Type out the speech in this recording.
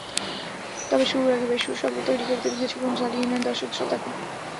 তবে শুরুর আগে বেসুরো শব্দ তৈরি করে তিনি কিছুক্ষণ ঝালিয়ে নেন দর্শক-শ্রোতাকে।